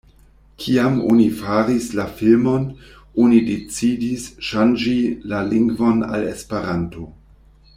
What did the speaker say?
Kiam oni faris la filmon, oni decidis ŝanĝi la lingvon al Esperanto.